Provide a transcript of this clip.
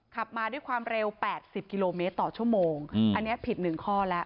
ขับมาด้วยความเร็ว๘๐กิโลเมตรต่อชั่วโมงอันนี้ผิด๑ข้อแล้ว